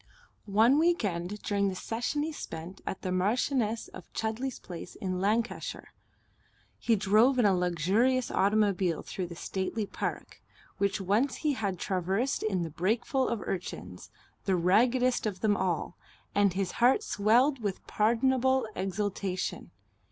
One week end during the session he spent at the Marchioness of Chudley's place in Lancashire. He drove in a luxurious automobile through the stately park, which once he had traversed in the brakeful of urchins, the raggedest of them all, and his heart swelled with pardonable exultation.